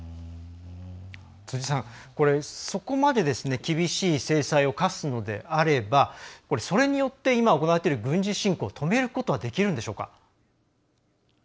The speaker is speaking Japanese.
辻さん、そこまで厳しい制裁を科すのであればそれによって今、行われている軍事侵攻を止めることはできるんでしょうか。